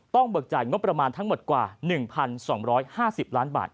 เบิกจ่ายงบประมาณทั้งหมดกว่า๑๒๕๐ล้านบาท